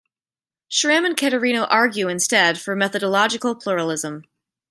Schram and Caterino argue instead for methodological pluralism.